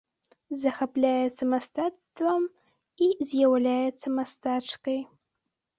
Захапляецца мастацтвам і з'яўляецца мастачкай.